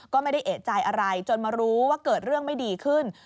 ก็ไม่ได้เอกใจอะไรจนมารู้ว่าเกิดเรื่องไม่ดีขึ้น